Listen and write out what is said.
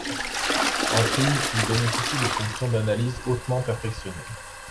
En prime, ils bénéficient de fonctions d'analyse hautement perfectionnées.